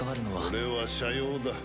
これは社用だ。